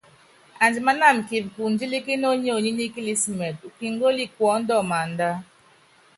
Andímánáma kipíkundílíkíni ónyonyi nikilísimitɛ, ukíngóli kuɔ́ndɔ maánda.